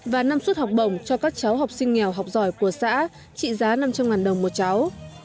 và năm suất học bổng cho các cháu học sinh nghèo học giỏi của xã trị giá năm trăm linh đồng một cháu